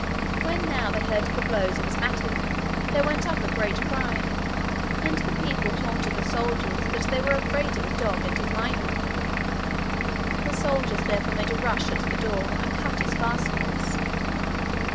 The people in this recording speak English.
When now they heard the blows of his mattock, there went up a great cry, and the people taunted the soldiers that they were afraid of a dog and his miner. The soldiers therefore made a rush at the door, and cut its fastenings.